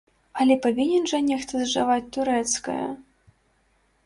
Але павінен жа нехта зжаваць турэцкае?